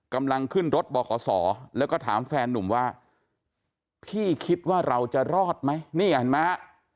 กำลังขึ้นรถบขศแล้วก็ถามแฟนนุ่มว่าพี่คิดว่าเราจะรอดไหมนี่เห็นไหม